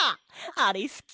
あれすき！